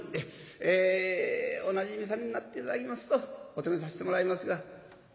「えおなじみさんになって頂きますとお泊めさせてもらいますが」。